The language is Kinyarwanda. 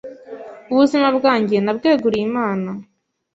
Ubuzima bwanjye nabweguriye Imana